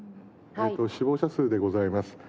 死亡者数でございます。